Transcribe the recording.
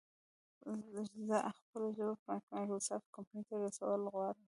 زه خپله ژبه په مايکروسافټ کمپنۍ ته رسول غواړم